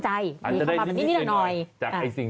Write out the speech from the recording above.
ก็เลยมีโอกาสว่าอาจจะได้ลาบมาแบบพลุกด้วยสำหรับราศีสิง